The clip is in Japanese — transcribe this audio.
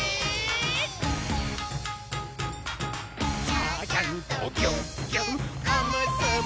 「ちゃちゃんとぎゅっぎゅっおむすびちゃん」